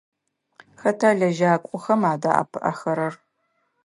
Хэта лэжьакӏохэм адэӏэпыӏэхэрэр?